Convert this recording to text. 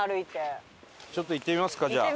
ちょっと行ってみますかじゃあ。